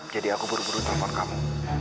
jadi aku buru buru telpon kamu